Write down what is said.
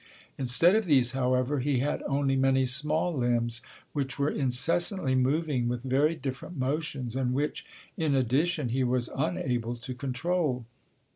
Instead of these, however, he had only many small limbs which were incessantly moving with very different motions and which, in addition, he was unable to control.